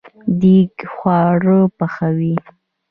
دیګ خواړه پخوي